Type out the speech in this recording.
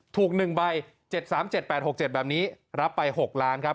ถูก๑ใบ๗๓๗๘๖๗แบบนี้รับไป๖ล้านครับ